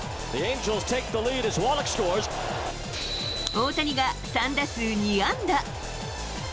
大谷が３打数２安打。